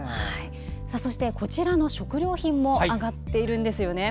そして、こちらの食料品も上がっているんですよね。